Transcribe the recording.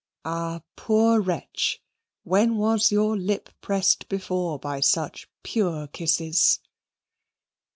Ah, poor wretch, when was your lip pressed before by such pure kisses?